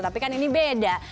tapi kan ini beda